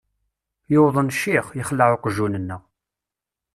Yedden ccix, yexleε uqjun-nneɣ.